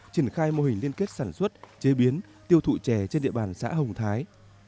triển khai mô hình liên kết sản xuất chế biến tiêu thụ chè trên địa bàn xã hồng thái